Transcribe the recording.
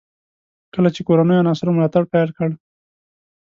کله چې کورنیو عناصرو ملاتړ پیل کړ.